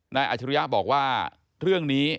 อาจริยะบอกว่าเรื่องนี้